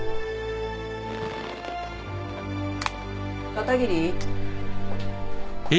・片桐。